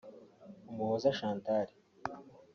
Umuhoza Chantal